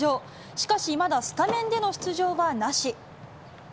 しかし、まだスタメンでの出場はなし。